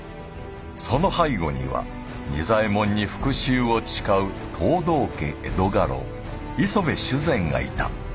その背後には仁左衛門に復讐を誓う藤堂家江戸家老磯部主膳がいた。